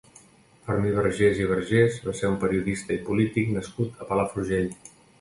Fermí Vergés i Vergés va ser un periodista i polític nascut a Palafrugell.